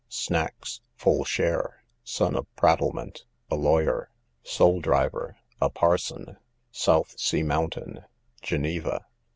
Snacks, full share. Son of prattlement, a lawyer. Soul driver, a parson. South sea mountain, Geneva.